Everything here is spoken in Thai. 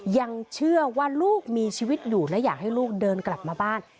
ยังเชื่อว่าลูกมีชีวิตอยู่และอยากให้ลูกเดินกลับมาบ้าน